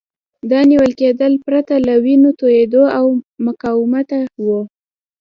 دا نیول کېدل پرته له وینو توېیدو او مقاومته وو.